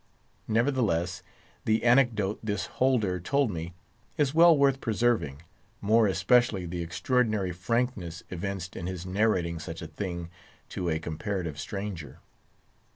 Nevertheless, the anecdote this holder told me is well worth preserving, more especially the extraordinary frankness evinced in his narrating such a thing to a comparative stranger.